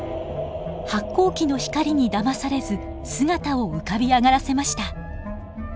発光器の光にだまされず姿を浮かび上がらせました。